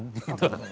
pak jokowi ya gibran